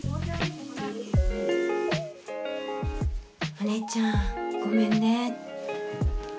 お姉ちゃんごめんね。